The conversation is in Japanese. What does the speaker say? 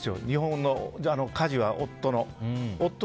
日本の家事は夫の。